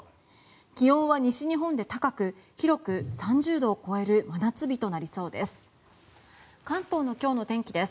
気温は西日本で高く広く３０度を超える真夏日となりそうです。